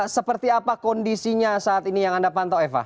seperti apa kondisinya saat ini yang anda pantau eva